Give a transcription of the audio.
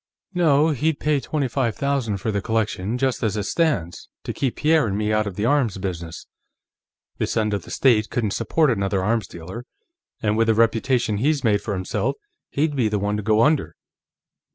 "No, he'd pay twenty five thousand for the collection, just as it stands, to keep Pierre and me out of the arms business. This end of the state couldn't support another arms dealer, and with the reputation he's made for himself, he'd be the one to go under."